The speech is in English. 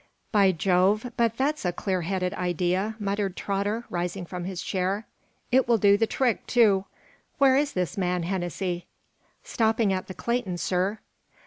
"By Jove, but that's a clear headed idea," muttered Trotter, rising from his chair. "It will do the trick, too. Where is this man, Hennessy?" "Stopping at the Clayton, sir."